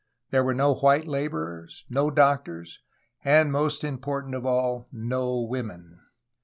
There were no white laborers, no doctors, and, most important of all, no women.